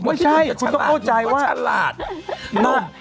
ไม่ใช่คุณต้องเข้าใจว่าหนูก็ชาลาด